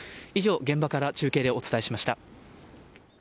以上、現場から中継でお伝えしました。